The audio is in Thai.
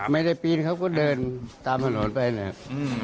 ไม่ได้ปีนครับก็เดินตามถนนไปนะครับ